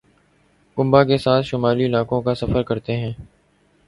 کنبہ کے ساتھ شمالی علاقوں کا سفر کرتے ہیں